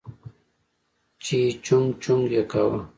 چې چونگ چونگ يې کاوه.